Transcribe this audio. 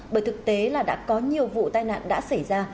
bởi thực tế là đã có nhiều vụ tai nạn đã xảy ra